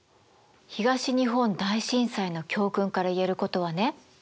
東日本大震災の教訓から言えることはね